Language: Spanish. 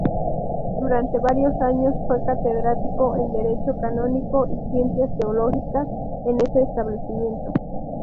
Durante varios años fue catedrático en derecho canónico y ciencias teológicas en ese establecimiento.